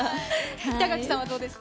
板垣さんはどうですか？